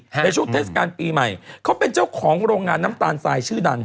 ในช่วงเทศกาลปีใหม่เขาเป็นเจ้าของโรงงานน้ำตาลทรายชื่อดัง